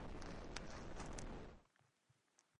Máte pocit, že se vás pravidla silničního provozu netýkají?